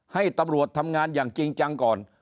ให้ตำรวจทำงานอย่างจริงจังก่อน